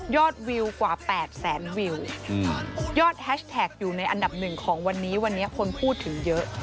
วิวกว่า๘แสนวิวยอดแฮชแท็กอยู่ในอันดับหนึ่งของวันนี้วันนี้คนพูดถึงเยอะ